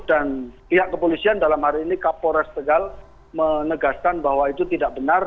dan pihak kepolisian dalam hari ini kapolres tegal menegaskan bahwa itu tidak benar